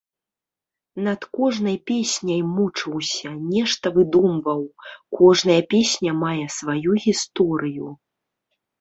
Над кожнай песняй мучыўся, нешта выдумваў, кожная песня мае сваю гісторыю.